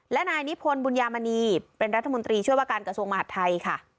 และนายนิพนธ์บุญยามณีเป็นรัฐมนตรีช่วยว่าการกระทรวงมหาดไทยค่ะ